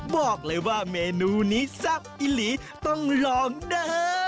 บอกเลยว่าเมนูนี้แซ่บอิหลีต้องลองเด้อ